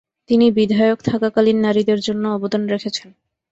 তিনি বিধায়ক থাকাকালীন নারীদের জন্য অবদান রেখেছেন।